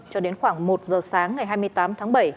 cho đến khoảng một giờ sáng ngày hai mươi tám tháng bảy